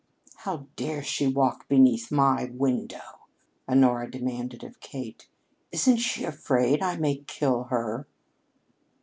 "How dare she walk beneath my window?" Honora demanded of Kate. "Isn't she afraid I may kill her?"